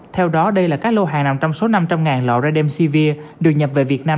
theo đó đây là các lô hàng nằm trong số năm trăm linh lọ rademsevir được nhập về việt nam